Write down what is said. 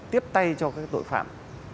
tiếp tay cho các tội phạm